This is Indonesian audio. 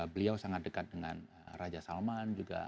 beliau sangat dekat dengan raja salman juga